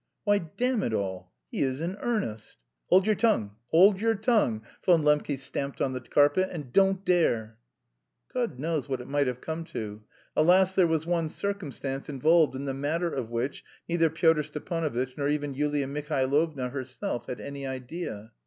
"Why, damn it all, he is in earnest!" "Hold your tongue, hold your tongue" Von Lembke stamped on the carpet "and don't dare..." God knows what it might have come to. Alas, there was one circumstance involved in the matter of which neither Pyotr Stepanovitch nor even Yulia Mihailovna herself had any idea.